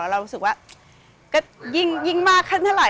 เรารู้สึกว่าก็ยิ่งมากขึ้นเท่าไห